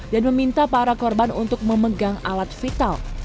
dan meminta para korban untuk memegang alat vital